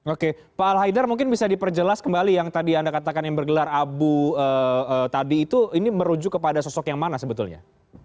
oke pak al haidar mungkin bisa diperjelas kembali yang tadi anda katakan yang bergelar abu tadi itu ini merujuk kepada sosok yang mana sebetulnya